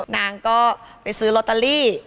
นางก็ไปซื้อโรตาลี